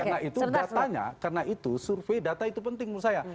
karena itu datanya karena itu survei data itu penting menurut saya